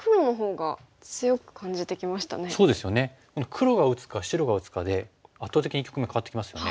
黒が打つか白が打つかで圧倒的に局面変わってきますよね。